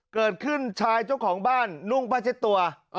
เกิดขึ้นชายเจ้าของบ้านนุ่งผ้าเช็ดตัว